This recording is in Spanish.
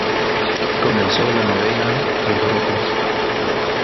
Comenzó la novela "Alboroto".